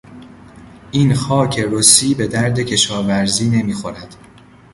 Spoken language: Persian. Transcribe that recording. این خاک رسی به درد کشاورزی نمیخورد.